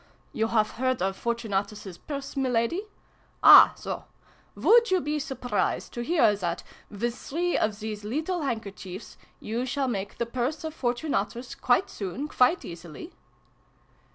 " You have heard of Fortunatus's Purse, Miladi ? Ah, so ! Would you be surprised to hear that, with three of these leetle hand kerchiefs, you shall make the Purse of Fortu natus, quite soon, quite easily